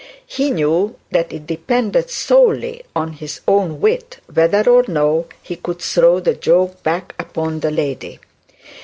He knew that it depended solely on his own wit whether or no he could throw the joke back upon the lady.